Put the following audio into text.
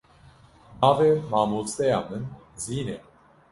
Navê mamosteya min Zîn e.